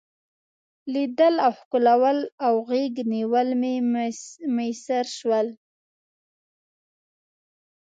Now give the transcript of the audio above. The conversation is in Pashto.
لیدل او ښکلول او غیږ نیول مې میسر شول.